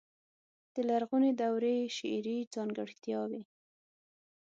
د لرغونې دورې شعري ځانګړتياوې.